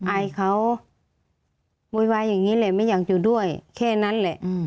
อายเขาโวยวายอย่างนี้แหละไม่อยากอยู่ด้วยแค่นั้นแหละ